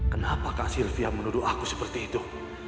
kenapa kak sylvia menuduh aku seperti itu